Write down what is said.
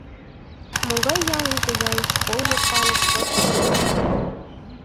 Могай ялын тыгай школжо, калык пӧртшӧ уло?